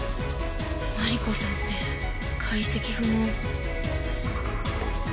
マリコさんって解析不能。